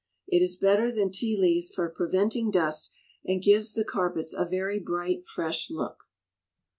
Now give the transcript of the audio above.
It is better than tea leaves for preventing dust, and gives the carpets a very bright, fresh look.